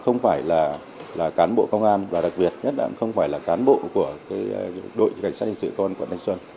không phải là cán bộ công an và đặc biệt nhất là không phải là cán bộ của đội cảnh sát hình sự công an quận thanh xuân